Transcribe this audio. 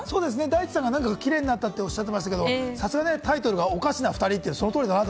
そうですね、大地さんが何かキレイになったと言ってましたけど、タイトルが『おかしな二人』ってその通りだなと。